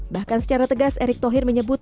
bahkan secara tegas erick thohir menyebut